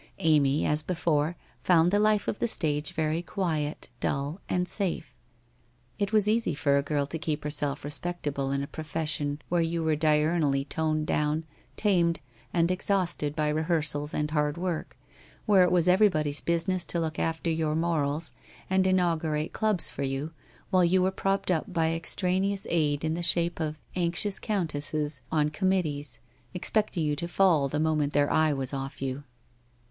Amy, as before, found the life of the stage very quiet, dull, and Bafe. It was easy for a 52 WHITE ROSE OF WEARY LEAF girl to keep herself respectable in a profession where you were diurnally toned down, tamed, and exhausted by re hearsals and hard work; where it was everybody's business to look after your morals and inaugurate clubs for you, while you were propped up by extraneous aid in the shape of anxious countesses on committees, expecting you to fall the moment their eye was off you.